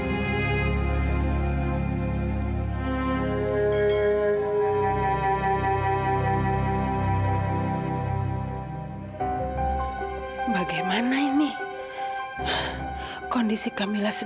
bang cam valuing masada klien dan pedemikatan